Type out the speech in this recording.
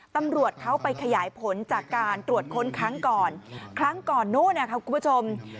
ตำรวจเขาไปขยายผลจากการตรวจค้นครั้งก่อนครั้งก่อนนู้นนะครับคุณผู้ชม